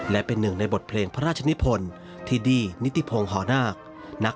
และเป็นหนึ่งในบทเพลงพระราชนิพลที่ดี้นิติพงศ์หอนาค